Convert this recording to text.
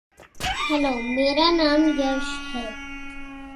मनमोहन के तीन वार्ताकारों पर मोदी का ये एक वार्ताकार इसलिए पड़ेगा भारी...